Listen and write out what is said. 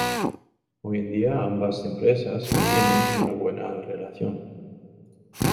Hoy en día, ambas empresas mantienen una buena relación.